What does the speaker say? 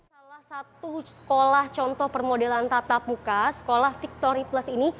salah satu sekolah contoh permodelan tatap muka sekolah victory plus ini